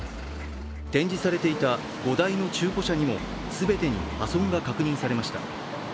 展示されていた５台の中古車にも全てに破損が確認されました。